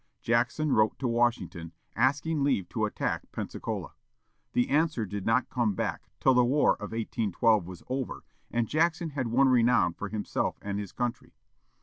Jackson wrote to Washington asking leave to attack Pensacola. The answer did not come back till the war of 1812 was over and Jackson had won renown for himself and his country.